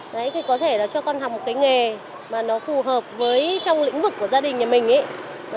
đấy thì có thể là cho con học một cái nghề mà nó phù hợp với trong lĩnh vực của gia đình nhà mình ấy